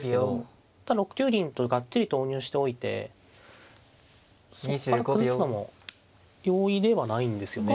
６九銀とがっちり投入しておいてそこから歩打つのも容易ではないんですよね。